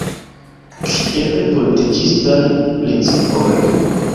Kien politikistaj principoj?